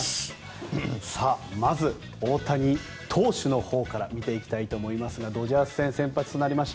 まず、大谷投手のほうから見ていきたいと思いますがドジャース戦、先発となりました